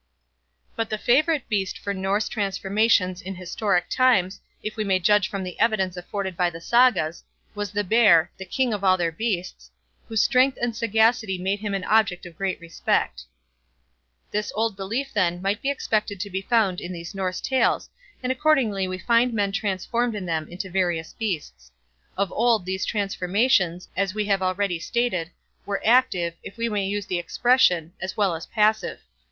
But the favourite beast for Norse transformations in historic times, if we may judge from the evidence afforded by the Sagas, was the bear, the king of all their beasts, whose strength and sagacity made him an object of great respect. This old belief, then, might be expected to be found in these Norse Tales, and accordingly we find men transformed in them into various beasts. Of old these transformations, as we have already stated, were active, if we may use the expression, as well as passive.